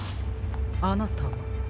あなたは？